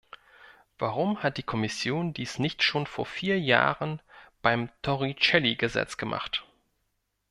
Warum hat die Kommission dies nicht schon vor vier Jahren beim Toricelli-Gesetz gemacht?